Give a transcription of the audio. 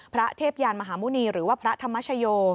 เทพยานมหาหมุณีหรือว่าพระธรรมชโย